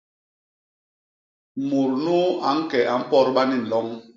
Mut nuu a ñke a mpodba ni nloñ.